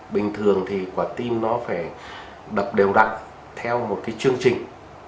bình thường thì quả tim nó phải đập đều đặn theo một cái chương trình